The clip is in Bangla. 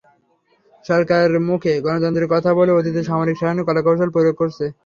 সরকার মুখে গণতন্ত্রের কথা বলে অতীতের সামরিক শাসনের কলাকৌশল প্রয়োগ করছে।